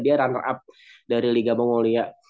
dia runner up dari liga mongolia